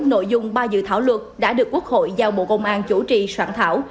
năm nội dung ba dự thảo luật đã được quốc hội giao bộ công an chủ trì soạn thảo